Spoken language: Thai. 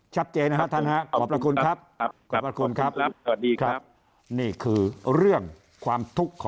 ชับเจ๊นะท่านนะครับขอบพระคุณครับขอบพระคุณครับผัดดีครับ